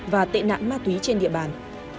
và tệ nạn ma túy trên địa bàn